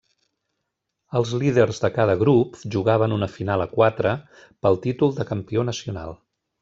Els líders de cada grup jugaven una final a quatre pel títol de campió nacional.